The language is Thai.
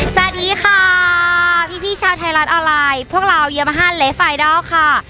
สวัสดีค่ะพี่ชาวไทยรัฐอลัยพวกเราอย่ามาห้านเลสไฟดอลค่ะ